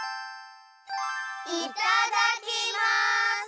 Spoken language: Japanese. いただきます！